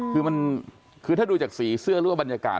คือมันคือถ้าดูจากสีเสื้อหรือว่าบรรยากาศ